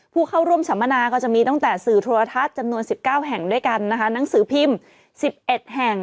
ผู้เข้าร่วมสัมมนาก็จะมีตั้งแต่สื่อโทรทัศน์จำนวน๑๙แห่งด้วยกันนะคะหนังสือพิมพ์๑๑แห่ง